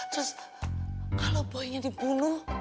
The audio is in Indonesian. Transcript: terus kalo boynya dibunuh